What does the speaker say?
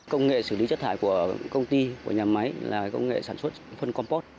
công nghệ xử lý rác thải của công ty của nhà máy là công nghệ sản xuất phân compost